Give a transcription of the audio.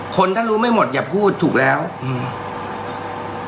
คนถ้ารู้ไม่หมดอย่าพูดถูกแล้วอืม